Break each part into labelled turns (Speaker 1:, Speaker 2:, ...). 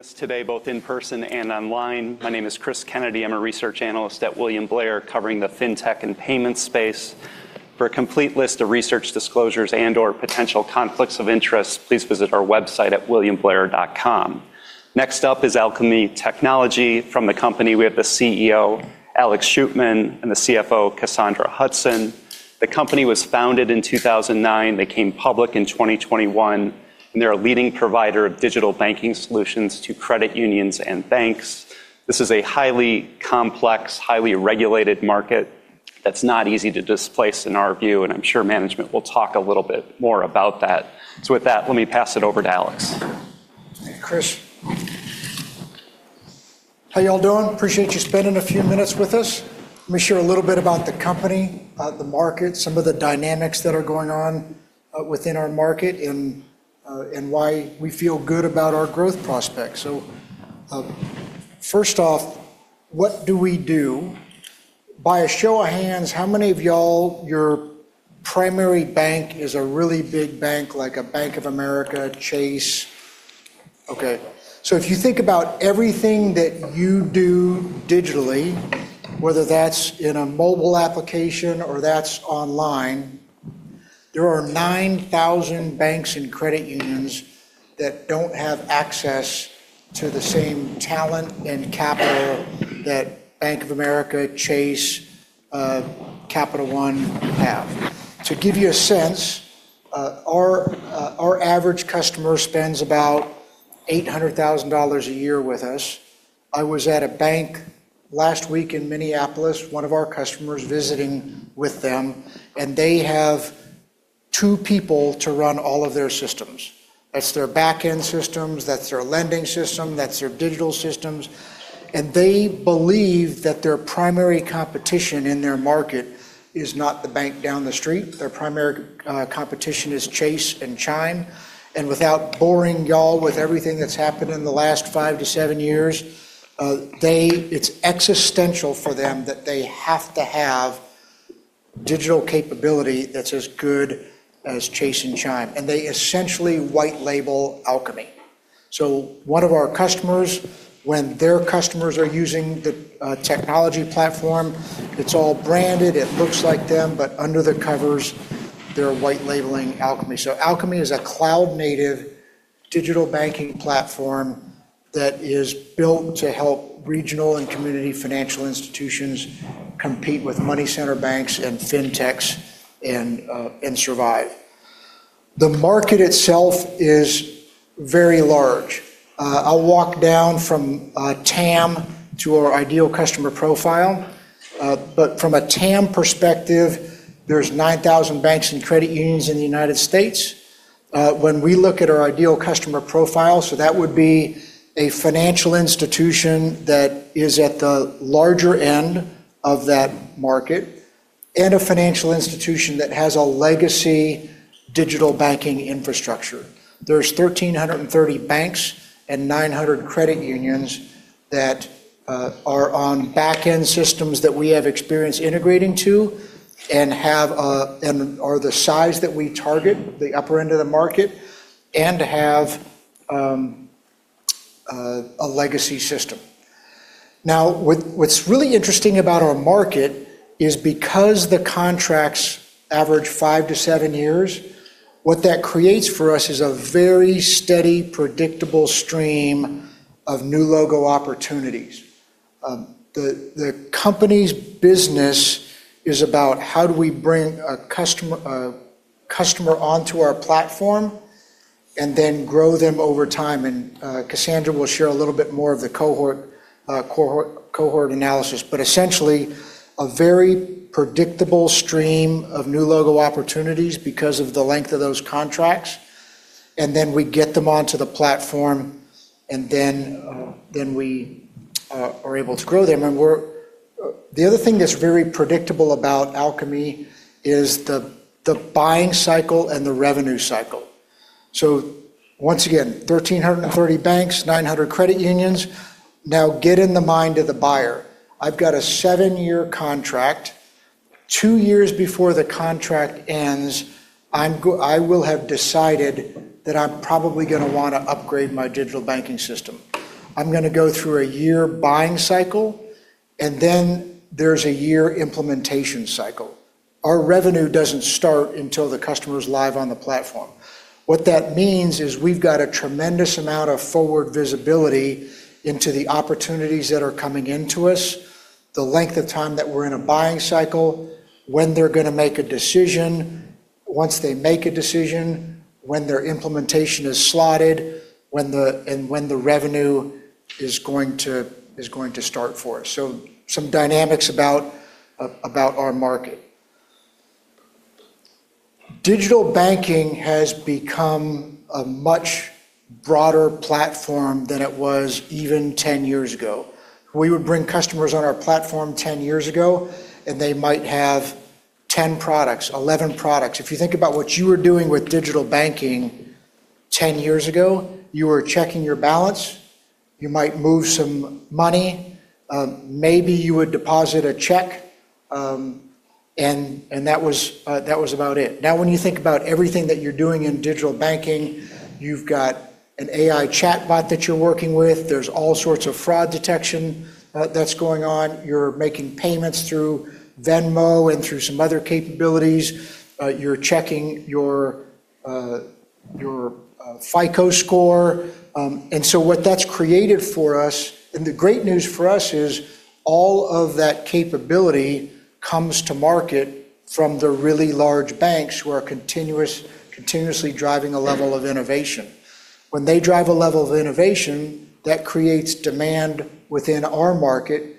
Speaker 1: us today, both in person and online. My name is Chris Kennedy. I'm a Research Analyst at William Blair, covering the fintech and payments space. For a complete list of research disclosures and/or potential conflicts of interest, please visit our website at williamblair.com. Next up is Alkami Technology. From the company, we have the CEO, Alex Shootman, and the CFO, Cassandra Hudson. The company was founded in 2009. They came public in 2021, and they're a leading provider of digital banking solutions to credit unions and banks. This is a highly complex, highly regulated market that's not easy to displace in our view, and I'm sure management will talk a little bit more about that. With that, let me pass it over to Alex.
Speaker 2: Thanks, Chris. How y'all doing? Appreciate you spending a few minutes with us. Let me share a little bit about the company, about the market, some of the dynamics that are going on within our market and why we feel good about our growth prospects. First off, what do we do? By a show of hands, how many of y'all, your primary bank is a really big bank like a Bank of America, Chase? Okay. If you think about everything that you do digitally, whether that's in a mobile application or that's online, there are 9,000 banks and credit unions that don't have access to the same talent and capital that Bank of America, Chase, Capital One have. To give you a sense, our average customer spends about $800,000 a year with us. I was at a bank last week in Minneapolis, one of our customers, visiting with them. They have two people to run all of their systems. That's their back end systems, that's their lending system, that's their digital systems. They believe that their primary competition in their market is not the bank down the street. Their primary competition is Chase and Chime. Without boring y'all with everything that's happened in the last five to seven years, it's existential for them that they have to have digital capability that's as good as Chase and Chime. They essentially white label Alkami. One of our customers, when their customers are using the technology platform, it's all branded. It looks like them, under the covers, they're white labeling Alkami. Alkami is a cloud-native digital banking platform that is built to help regional and community financial institutions compete with money center banks and fintechs and survive. The market itself is very large. I will walk down from TAM to our ideal customer profile. From a TAM perspective, there is 9,000 banks and credit unions in the U.S. When we look at our ideal customer profile, so that would be a financial institution that is at the larger end of that market and a financial institution that has a legacy digital banking infrastructure. There is 1,330 banks and 900 credit unions that are on back-end systems that we have experience integrating to and are the size that we target, the upper end of the market, and have a legacy system. What's really interesting about our market is because the contracts average five to seven years, what that creates for us is a very steady, predictable stream of new logo opportunities. The company's business is about how do we bring a customer onto our platform and then grow them over time. Cassandra will share a little bit more of the cohort analysis, but essentially a very predictable stream of new logo opportunities because of the length of those contracts. We get them onto the platform and then we are able to grow them. The other thing that's very predictable about Alkami is the buying cycle and the revenue cycle. Once again, 1,330 banks, 900 credit unions. Get in the mind of the buyer. I've got a seven-year contract. Two years before the contract ends, I will have decided that I'm probably going to want to upgrade my digital banking platform. I'm going to go through a year buying cycle, and then there's a year implementation cycle. Our revenue doesn't start until the customer's live on the platform. What that means is we've got a tremendous amount of forward visibility into the opportunities that are coming into us, the length of time that we're in a buying cycle, when they're going to make a decision, once they make a decision, when their implementation is slotted, and when the revenue is going to start for us. Some dynamics about our market. Digital banking has become a much broader platform than it was even 10 years ago. We would bring customers on our platform 10 years ago, and they might have 10 products, 11 products. If you think about what you were doing with digital banking 10 years ago, you were checking your balance. You might move some money. Maybe you would deposit a check. That was about it. Now when you think about everything that you're doing in digital banking, you've got an AI chatbot that you're working with. There's all sorts of fraud detection that's going on. You're making payments through Venmo and through some other capabilities. You're checking your FICO score. What that's created for us, and the great news for us is all of that capability comes to market from the really large banks who are continuously driving a level of innovation. When they drive a level of innovation, that creates demand within our market,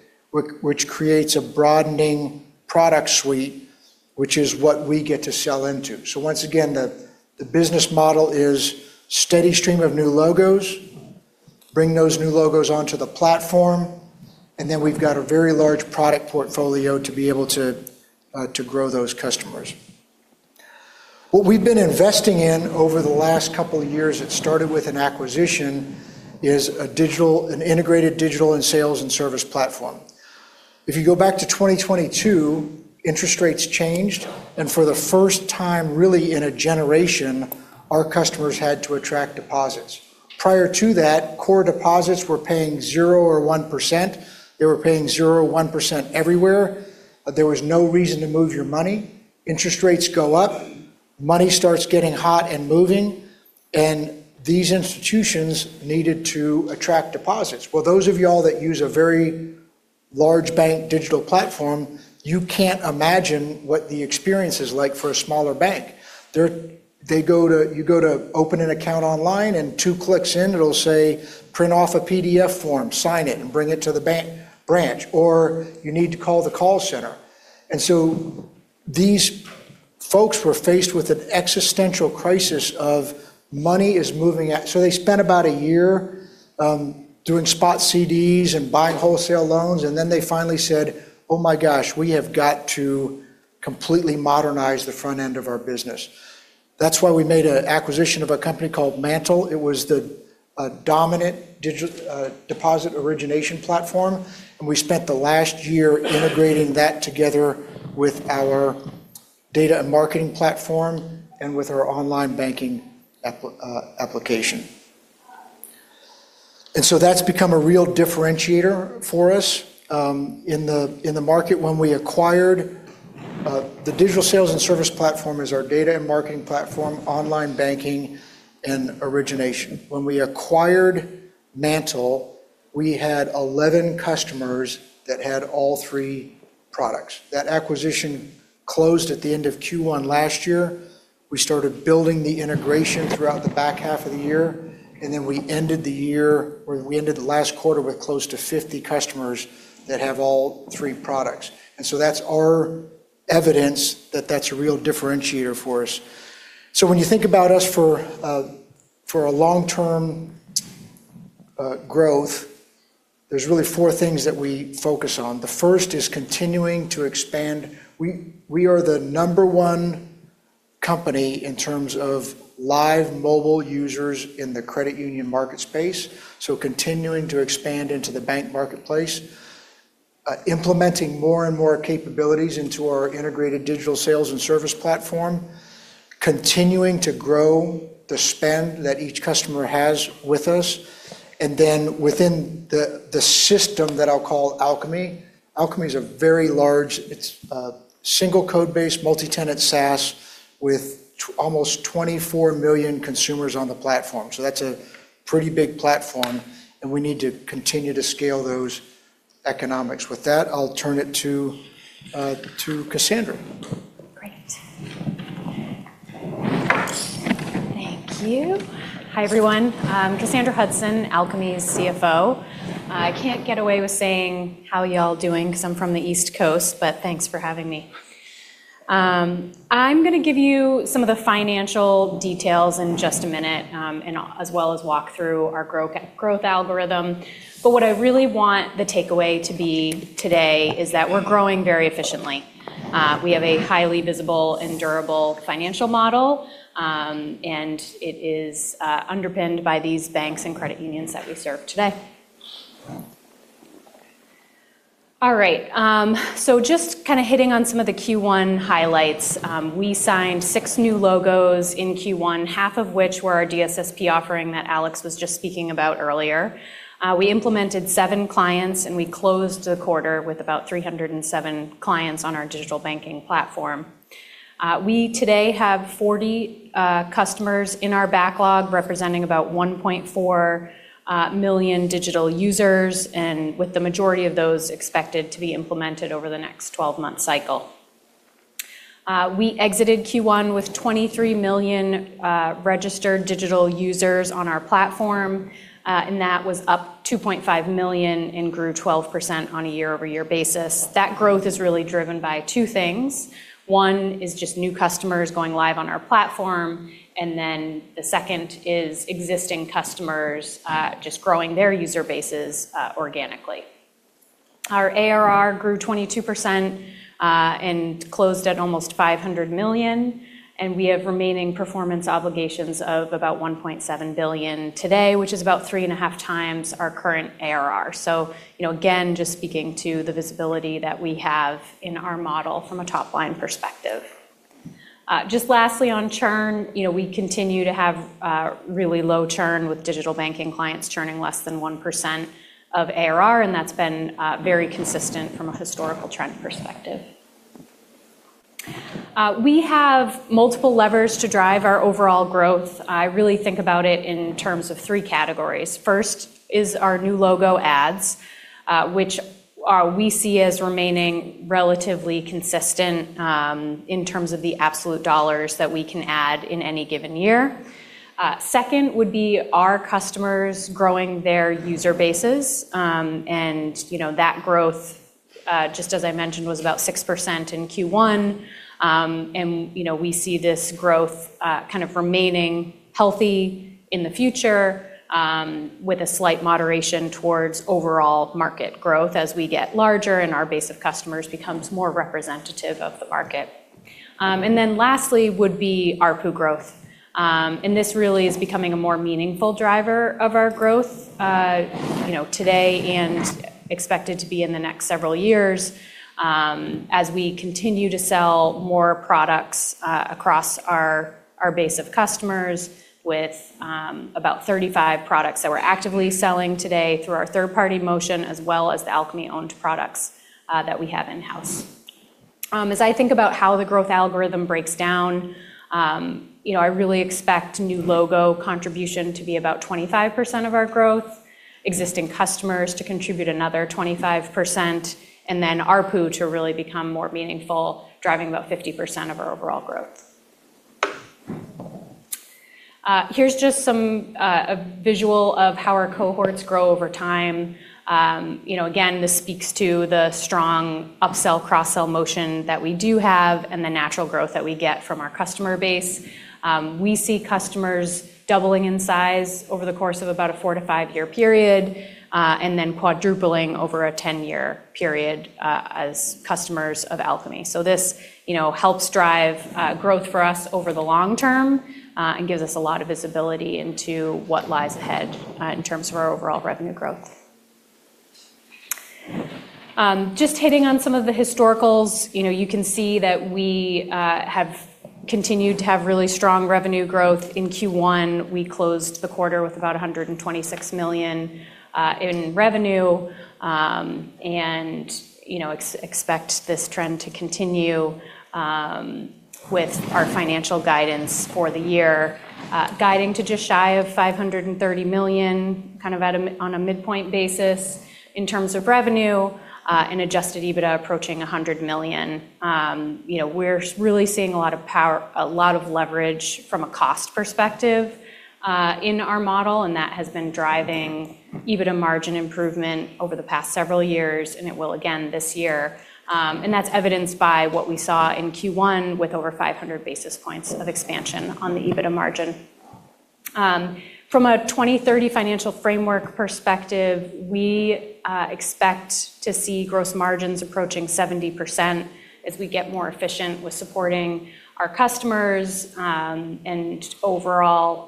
Speaker 2: which creates a broadening product suite, which is what we get to sell into. Once again, the business model is steady stream of new logos, bring those new logos onto the platform, and then we've got a very large product portfolio to be able to grow those customers. What we've been investing in over the last couple of years, it started with an acquisition, is an integrated digital and sales and service platform. If you go back to 2022, interest rates changed, and for the first time really in a generation, our customers had to attract deposits. Prior to that, core deposits were paying 0% or 1%. They were paying 0% or 1% everywhere. There was no reason to move your money. Interest rates go up, money starts getting hot and moving, and these institutions needed to attract deposits. Well, those of you all that use a very large bank digital platform, you can't imagine what the experience is like for a smaller bank. You go to open an account online and two clicks in it'll say, Print off a PDF form, sign it and bring it to the branch, or, You need to call the call center. These folks were faced with an existential crisis of money is moving out. They spent about a year doing spot CDs and buying wholesale loans, they finally said, Oh my gosh, we have got to completely modernize the front end of our business. That's why we made an acquisition of a company called MANTL. It was the dominant deposit origination platform, and we spent the last year integrating that together with our data and marketing platform and with our online banking application. That's become a real differentiator for us in the market. The digital sales and service platform is our data and marketing platform, online banking, and origination. When we acquired MANTL, we had 11 customers that had all three products. That acquisition closed at the end of Q1 last year. We started building the integration throughout the back half of the year, and then we ended the last quarter with close to 50 customers that have all three products. That's our evidence that that's a real differentiator for us. When you think about us for a long-term growth, there's really four things that we focus on. The first is continuing to expand. We are the number one company in terms of live mobile users in the credit union market space. Continuing to expand into the bank marketplace, implementing more and more capabilities into our integrated digital sales and service platform, continuing to grow the spend that each customer has with us, and then within the system that I'll call Alkami. Alkami's a very large, it's a single code base, multi-tenant SaaS with almost 24 million consumers on the platform. That's a pretty big platform and we need to continue to scale those economics. With that, I'll turn it to Cassandra.
Speaker 3: Great. Thank you. Hi everyone. I'm Cassandra Hudson, Alkami's CFO. I can't get away with saying how y'all doing because I'm from the East Coast, but thanks for having me. I'm going to give you some of the financial details in just a minute, and as well as walk through our growth algorithm. What I really want the takeaway to be today is that we're growing very efficiently. We have a highly visible and durable financial model, and it is underpinned by these banks and credit unions that we serve today. All right. Just kind of hitting on some of the Q1 highlights. We signed six new logos in Q1, half of which were our DSSP offering that Alex was just speaking about earlier. We implemented seven clients and we closed the quarter with about 307 clients on our digital banking platform. We today have 40 customers in our backlog representing about 1.4 million digital users and with the majority of those expected to be implemented over the next 12-month cycle. We exited Q1 with 23 million registered digital users on our platform. That was up 2.5 million and grew 12% on a year-over-year basis. That growth is really driven by two things. One is just new customers going live on our platform, and then the second is existing customers just growing their user bases organically. Our ARR grew 22% and closed at almost $500 million, and we have remaining performance obligations of about $1.7 billion today, which is about three and a half times our current ARR. Again, just speaking to the visibility that we have in our model from a top-line perspective. Just lastly on churn, we continue to have really low churn with digital banking clients churning less than 1% of ARR, and that's been very consistent from a historical trend perspective. We have multiple levers to drive our overall growth. I really think about it in terms of three categories. First is our new logo ads, which we see as remaining relatively consistent in terms of the absolute dollars that we can add in any given year. Second would be our customers growing their user bases, and that growth, just as I mentioned, was about 6% in Q1. We see this growth kind of remaining healthy in the future with a slight moderation towards overall market growth as we get larger and our base of customers becomes more representative of the market. Lastly would be ARPU growth. This really is becoming a more meaningful driver of our growth today and expected to be in the next several years as we continue to sell more products across our base of customers with about 35 products that we're actively selling today through our third-party motion, as well as the Alkami-owned products that we have in-house. As I think about how the growth algorithm breaks down, I really expect new logo contribution to be about 25% of our growth, existing customers to contribute another 25%, and then ARPU to really become more meaningful, driving about 50% of our overall growth. Here's just a visual of how our cohorts grow over time. Again, this speaks to the strong upsell, cross-sell motion that we do have and the natural growth that we get from our customer base. We see customers doubling in size over the course of about a four to five-year period, and then quadrupling over a 10-year period as customers of Alkami. This helps drive growth for us over the long term and gives us a lot of visibility into what lies ahead in terms of our overall revenue growth. Just hitting on some of the historicals. You can see that we have continued to have really strong revenue growth. In Q1, we closed the quarter with about $126 million in revenue, and expect this trend to continue with our financial guidance for the year, guiding to just shy of $530 million on a midpoint basis in terms of revenue and adjusted EBITDA approaching $100 million. We're really seeing a lot of leverage from a cost perspective in our model, and that has been driving EBITDA margin improvement over the past several years, and it will again this year. That's evidenced by what we saw in Q1 with over 500 basis points of expansion on the EBITDA margin. From a 2030 financial framework perspective, we expect to see gross margins approaching 70% as we get more efficient with supporting our customers, and overall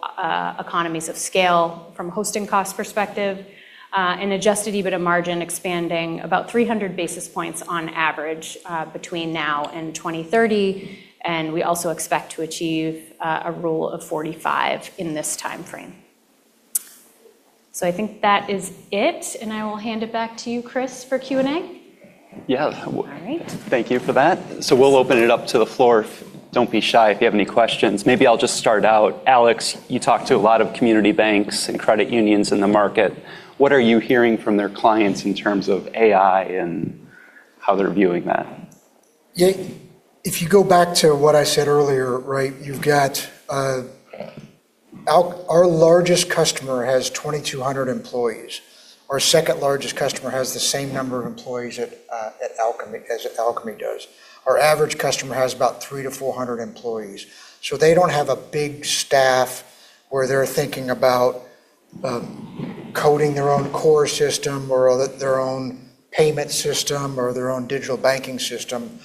Speaker 3: economies of scale from a hosting cost perspective, an adjusted EBITDA margin expanding about 300 basis points on average between now and 2030. We also expect to achieve a Rule of 40 in this timeframe. I think that is it, and I will hand it back to you, Chris, for Q&A.
Speaker 1: Yes.
Speaker 3: All right.
Speaker 1: Thank you for that. We'll open it up to the floor. Don't be shy if you have any questions. Maybe I'll just start out. Alex, you talk to a lot of community banks and credit unions in the market. What are you hearing from their clients in terms of AI and how they're viewing that?
Speaker 2: If you go back to what I said earlier, our largest customer has 2,200 employees. Our second-largest customer has the same number of employees as Alkami does. Our average customer has about 300-400 employees. They don't have a big staff where they're thinking about coding their own core system or their own payment system or their own digital banking system.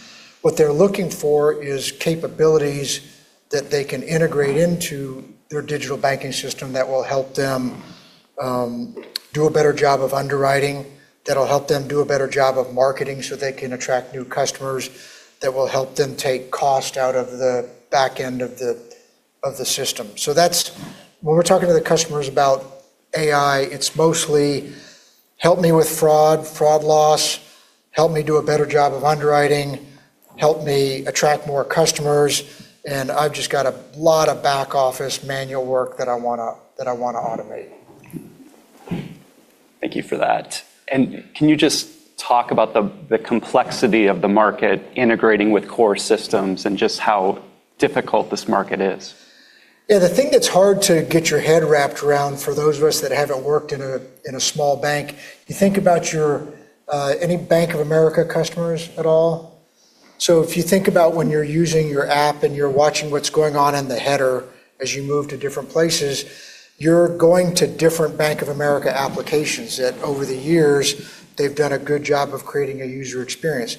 Speaker 2: What they're looking for is capabilities that they can integrate into their digital banking system that will help them do a better job of underwriting, that'll help them do a better job of marketing so they can attract new customers, that will help them take cost out of the back end of the system. When we're talking to the customers about AI, it's mostly, Help me with fraud loss. Help me do a better job of underwriting. Help me attract more customers. I've just got a lot of back-office manual work that I want to automate.
Speaker 1: Thank you for that. Can you just talk about the complexity of the market integrating with core systems and just how difficult this market is?
Speaker 2: Yeah. The thing that's hard to get your head wrapped around, for those of us that haven't worked in a small bank, you think about any Bank of America customers at all. If you think about when you're using your app and you're watching what's going on in the header as you move to different places, you're going to different Bank of America applications that over the years they've done a good job of creating a user experience.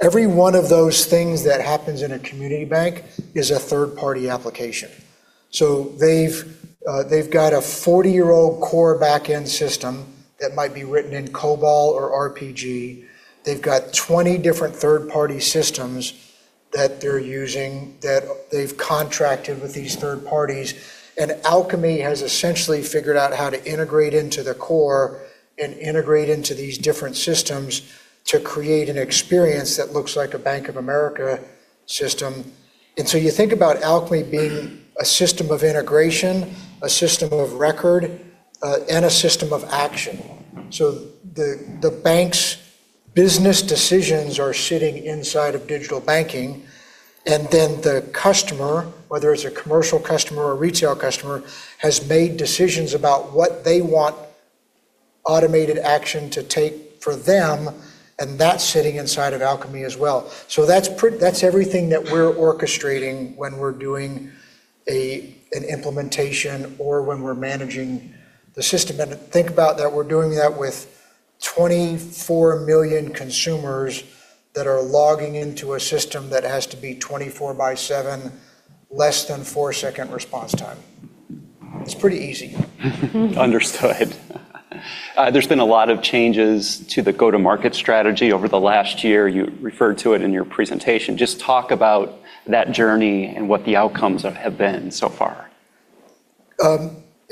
Speaker 2: Every one of those things that happens in a community bank is a third-party application. They've got a 40-year-old core backend system that might be written in COBOL or RPG. They've got 20 different third-party systems that they're using that they've contracted with these third parties. Alkami has essentially figured out how to integrate into the core and integrate into these different systems to create an experience that looks like a Bank of America system. You think about Alkami being a system of integration, a system of record, and a system of action. The bank's business decisions are sitting inside of digital banking, and then the customer, whether it's a commercial customer or a retail customer, has made decisions about what they want automated action to take for them, and that's sitting inside of Alkami as well. That's everything that we're orchestrating when we're doing an implementation or when we're managing the system. Think about that we're doing that with 24 million consumers that are logging into a system that has to be 24 by seven, less than four-second response time. It's pretty easy.
Speaker 1: Understood. There's been a lot of changes to the go-to-market strategy over the last year. You referred to it in your presentation. Just talk about that journey and what the outcomes have been so far.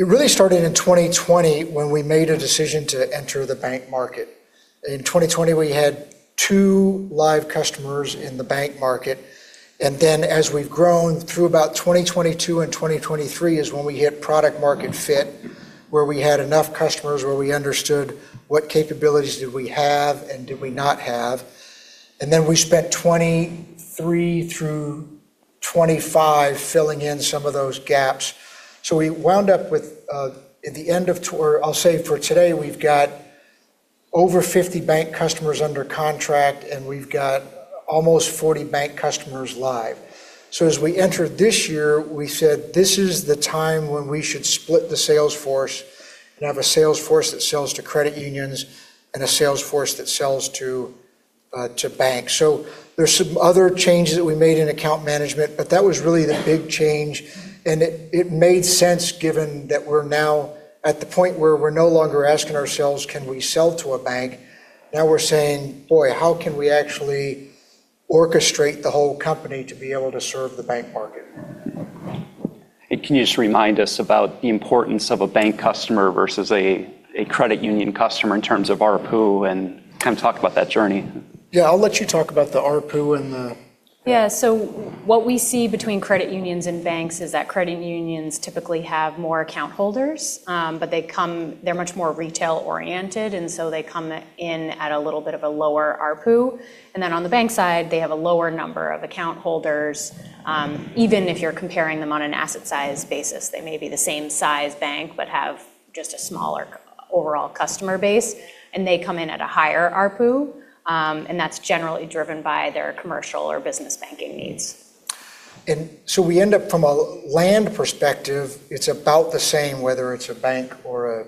Speaker 2: It really started in 2020 when we made a decision to enter the bank market. In 2020, we had two live customers in the bank market, and then as we've grown through about 2022 and 2023 is when we hit product market fit, where we had enough customers where we understood what capabilities did we have and did we not have. Then we spent 2023 through 2025 filling in some of those gaps. We wound up with, or I'll say for today, we've got over 50 bank customers under contract, and we've got almost 40 bank customers live. As we entered this year, we said, This is the time when we should split the sales force and have a sales force that sells to credit unions and a sales force that sells to banks. There's some other changes that we made in account management, but that was really the big change, and it made sense given that we're now at the point where we're no longer asking ourselves, Can we sell to a bank? Now we're saying, Boy, how can we actually orchestrate the whole company to be able to serve the bank market?
Speaker 1: Can you just remind us about the importance of a bank customer versus a credit union customer in terms of ARPU and kind of talk about that journey?
Speaker 2: Yeah, I'll let you talk about the ARPU.
Speaker 3: Yeah. What we see between credit unions and banks is that credit unions typically have more account holders. They're much more retail-oriented, they come in at a little bit of a lower ARPU. On the bank side, they have a lower number of account holders. Even if you're comparing them on an asset size basis, they may be the same size bank but have just a smaller overall customer base. They come in at a higher ARPU, and that's generally driven by their commercial or business banking needs.
Speaker 2: We end up from a land perspective, it's about the same whether it's a bank or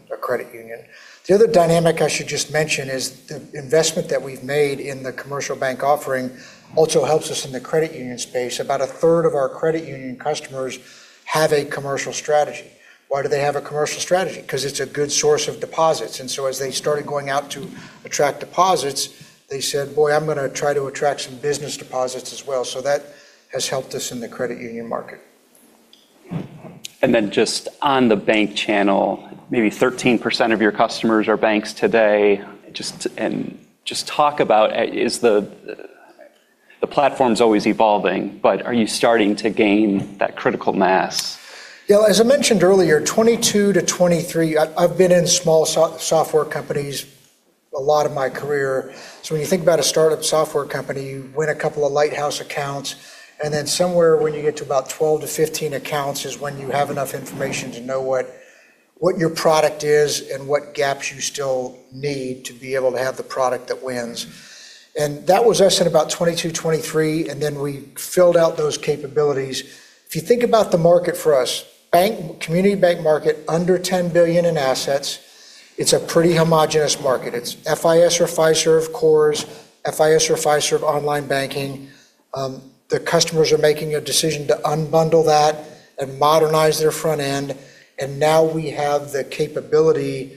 Speaker 2: a credit union. The other dynamic I should just mention is the investment that we've made in the commercial bank offering also helps us in the credit union space. About a third of our credit union customers have a commercial strategy. Why do they have a commercial strategy? Because it's a good source of deposits. As they started going out to attract deposits, they said, Boy, I'm going to try to attract some business deposits as well. That has helped us in the credit union market.
Speaker 1: Just on the bank channel, maybe 13% of your customers are banks today. Talk about, the platform's always evolving, but are you starting to gain that critical mass?
Speaker 2: As I mentioned earlier, 2022 to 2023, I've been in small software companies a lot of my career. When you think about a startup software company, you win a couple of lighthouse accounts, and then somewhere when you get to about 12-15 accounts is when you have enough information to know what your product is and what gaps you still need to be able to have the product that wins. That was us in about 2022, 2023, and then we filled out those capabilities. If you think about the market for us, community bank market, under $10 billion in assets, it's a pretty homogenous market. It's FIS or Fiserv cores, FIS or Fiserv online banking. The customers are making a decision to unbundle that and modernize their front end, now we have the capability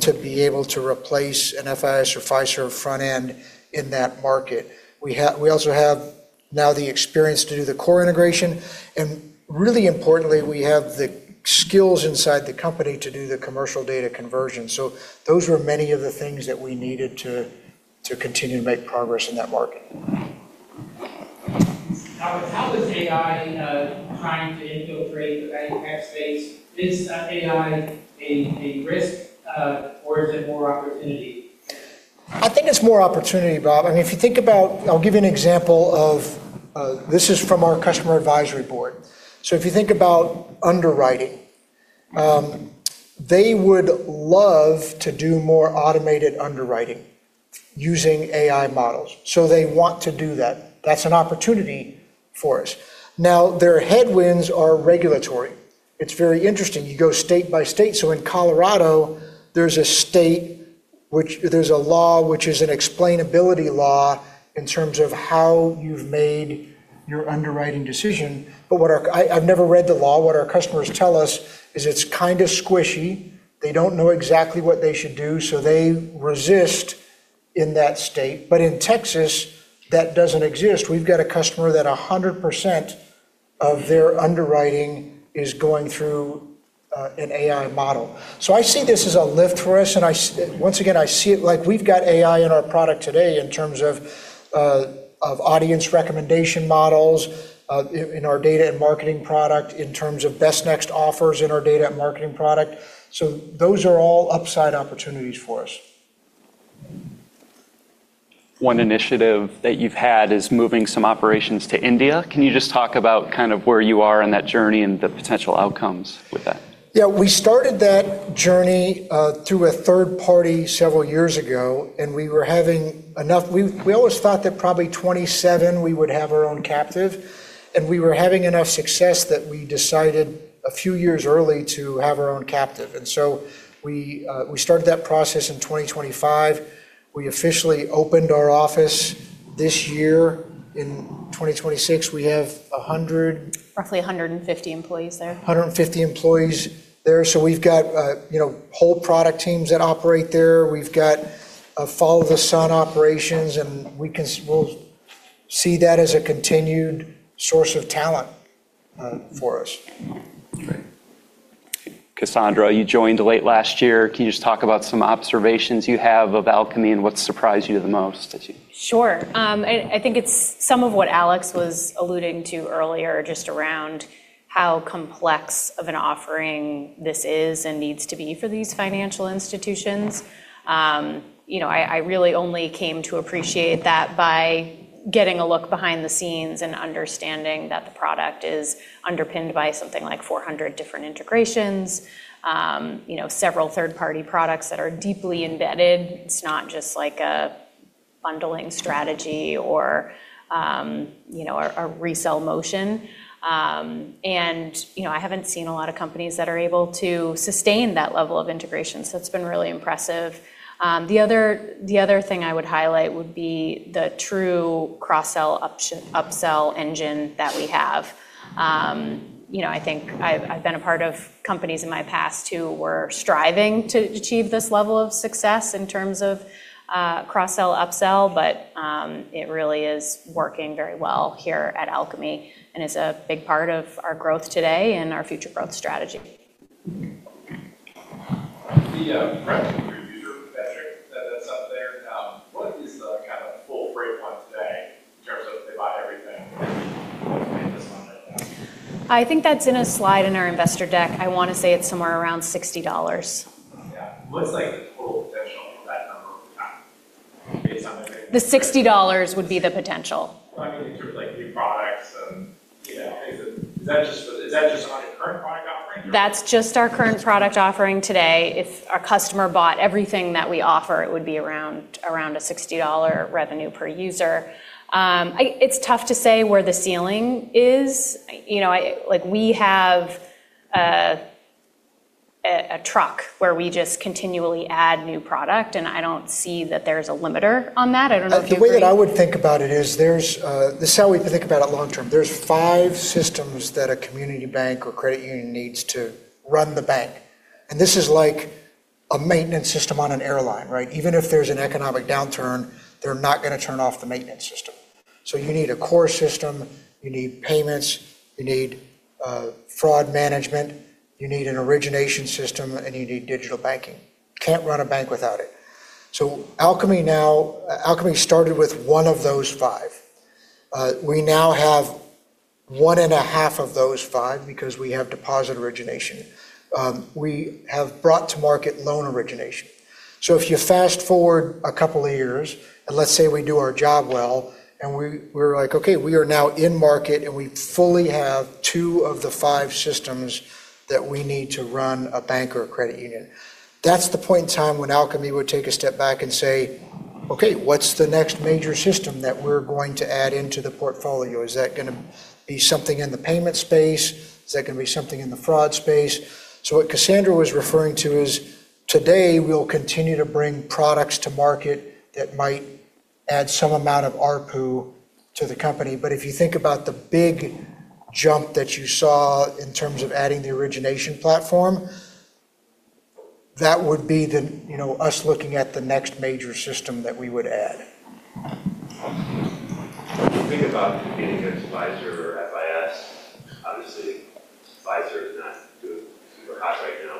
Speaker 2: to be able to replace an FIS or Fiserv front end in that market. We also have now the experience to do the core integration, really importantly, we have the skills inside the company to do the commercial data conversion. Those were many of the things that we needed to continue to make progress in that market.
Speaker 4: How is AI trying to infiltrate the banking tech space? Is AI a risk, or is it more opportunity?
Speaker 2: I think it's more opportunity, Bob. I'll give you an example. This is from our customer advisory board. If you think about underwriting, they would love to do more automated underwriting using AI models. They want to do that. That's an opportunity for us. Now, their headwinds are regulatory. It's very interesting. You go state by state. In Colorado, there's a law which is an explainability law in terms of how you've made your underwriting decision. I've never read the law. What our customers tell us is it's kind of squishy. They don't know exactly what they should do, so they resist in that state. In Texas, that doesn't exist. We've got a customer that 100% of their underwriting is going through an AI model. I see this as a lift for us, and once again, I see it like we've got AI in our product today in terms of audience recommendation models, in our data and marketing product, in terms of best next offers in our data and marketing product. Those are all upside opportunities for us.
Speaker 1: One initiative that you've had is moving some operations to India. Can you just talk about kind of where you are in that journey and the potential outcomes with that?
Speaker 2: Yeah, we started that journey through a third party several years ago, and we were having enough-- We always thought that probably 2027 we would have our own captive, and we were having enough success that we decided a few years early to have our own captive. We started that process in 2025. We officially opened our office this year in 2026. We have 100-
Speaker 3: Roughly 150 employees there.
Speaker 2: 150 employees there. We've got whole product teams that operate there. We've got follow the sun operations, and we'll see that as a continued source of talent for us.
Speaker 1: Great. Cassandra, you joined late last year. Can you just talk about some observations you have of Alkami and what's surprised you the most since you-
Speaker 3: Sure. I think it's some of what Alex was alluding to earlier, just around how complex of an offering this is and needs to be for these financial institutions. I really only came to appreciate that by getting a look behind the scenes and understanding that the product is underpinned by something like 400 different integrations. Several third-party products that are deeply embedded. It's not just like a bundling strategy or a resell motion. I haven't seen a lot of companies that are able to sustain that level of integration, so it's been really impressive. The other thing I would highlight would be the true cross-sell, up-sell engine that we have. I think I've been a part of companies in my past who were striving to achieve this level of success in terms of cross-sell, up-sell, but it really is working very well here at Alkami and is a big part of our growth today and our future growth strategy.
Speaker 5: The revenue per user metric that's up there, what is the kind of full rate one today in terms of if they buy everything?
Speaker 3: I think that's in a slide in our investor deck. I want to say it's somewhere around $60.
Speaker 5: Yeah. What's like the full potential of that number over time based on?
Speaker 3: The $60 would be the potential.
Speaker 5: I mean in terms of like new products and is that just on your current product offering?
Speaker 3: That's just our current product offering today. If a customer bought everything that we offer, it would be around a $60 revenue per user. It's tough to say where the ceiling is. Like we have a truck where we just continually add new product, and I don't see that there's a limiter on that. I don't know if you agree.
Speaker 2: The way that I would think about it is, this is how we think about it long term. There's five systems that a community bank or credit union needs to run the bank, and this is like a maintenance system on an airline. Even if there's an economic downturn, they're not going to turn off the maintenance system. You need a core system, you need payments, you need fraud management, you need an origination system, and you need digital banking. Can't run a bank without it. Alkami started with one of those five. We now have 1.5 of those five because we have deposit origination. We have brought to market loan origination. If you fast-forward a couple of years and let's say we do our job well and we're like, Okay, we are now in market and we fully have two of the five systems that we need to run a bank or a credit union. That's the point in time when Alkami would take a step back and say, Okay, what's the next major system that we're going to add into the portfolio? Is that going to be something in the payment space? Is that going to be something in the fraud space? What Cassandra was referring to is today we'll continue to bring products to market that might add some amount of ARPU to the company, but if you think about the big jump that you saw in terms of adding the origination platform, that would be us looking at the next major system that we would add.
Speaker 5: When you think about competing against Fiserv or FIS, obviously Fiserv is not super hot right now.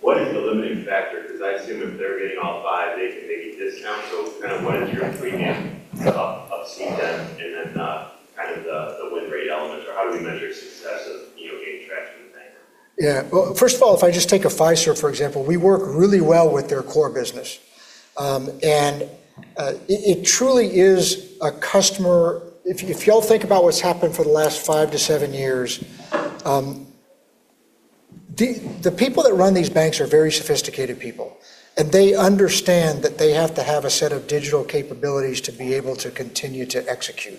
Speaker 5: What is the limiting factor? I assume if they're getting all five, they get discounts so kind of what is your premium above, say, them and then kind of the win rate element or how do we measure success of gaining traction with bank?
Speaker 2: Yeah. Well, first of all, if I just take a Fiserv, for example, we work really well with their core business. If you all think about what's happened for the last five to seven years, the people that run these banks are very sophisticated people, they understand that they have to have a set of digital capabilities to be able to continue to execute.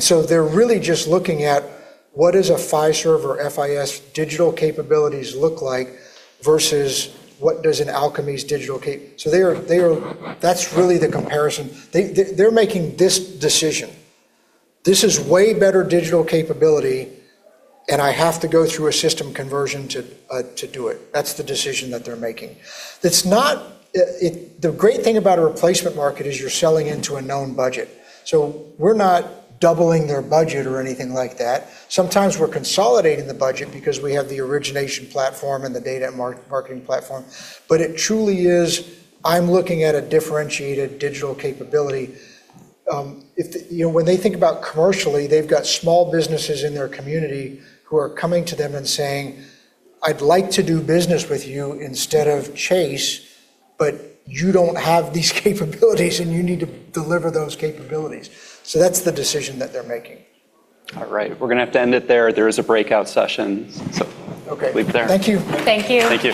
Speaker 2: They're really just looking at what is a Fiserv or FIS digital capabilities look like versus what does an Alkami's. That's really the comparison. They're making this decision. This is way better digital capability, and I have to go through a system conversion to do it. That's the decision that they're making. The great thing about a replacement market is you're selling into a known budget. We're not doubling their budget or anything like that. Sometimes we're consolidating the budget because we have the origination platform and the data and marketing platform. It truly is, I'm looking at a differentiated digital capability. When they think about commercially, they've got small businesses in their community who are coming to them and saying, I'd like to do business with you instead of Chase, but you don't have these capabilities and you need to deliver those capabilities. That's the decision that they're making.
Speaker 1: All right. We're going to have to end it there. There is a breakout session.
Speaker 2: Okay
Speaker 1: leave it there.
Speaker 2: Thank you.
Speaker 3: Thank you.
Speaker 1: Thank you.